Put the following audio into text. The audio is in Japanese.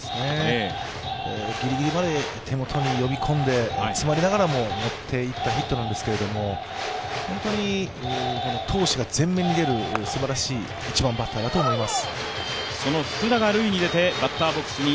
ギリギリまで手元に呼び込んで詰まりながらも持っていったヒットなんですけれども、闘志が前面に出るすばらしい１番バッターだと思います。